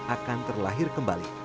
akan terlahir kembali